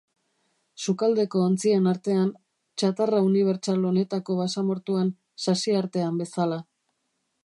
Sukaldeko ontzien artean, txatarra unibertsal honetako basamortuan, sasi artean bezala.